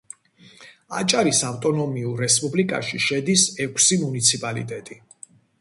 აჭარის ავტონომიურ რესპუბლიკაში შედის ექვსი მუნიციპალიტეტი.